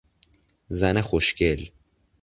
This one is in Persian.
زن خوشگل